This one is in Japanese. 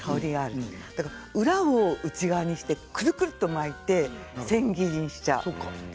その裏を内側にしてくるくると巻いて千切りにしちゃうんですね。